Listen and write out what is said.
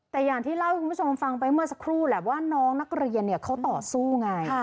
แต่อย่างที่เล่าให้คุณผู้ชมฟังไปเมื่อสักครู่แหละว่าน้องนักเรียนเขาต่อสู้ไง